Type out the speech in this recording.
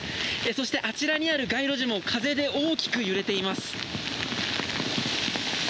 そして、あちらにある街路樹も風で大きく揺れています。